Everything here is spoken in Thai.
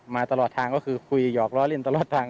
มาตลอดทางก็คือคุยหยอกล้อเล่นตลอดทาง